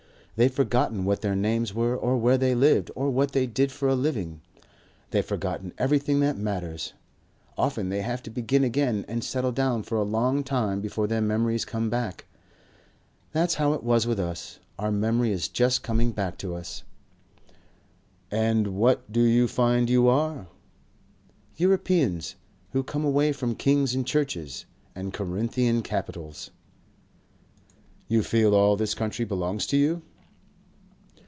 They've forgotten what their names were or where they lived or what they did for a living; they've forgotten everything that matters. Often they have to begin again and settle down for a long time before their memories come back. That's how it has been with us. Our memory is just coming back to us." "And what do you find you are?" "Europeans. Who came away from kings and churches @ and Corinthian capitals." "You feel all this country belongs to you?"